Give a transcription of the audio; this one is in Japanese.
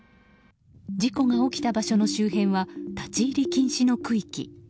事故が起きた場所の周辺は立ち入り禁止の区域。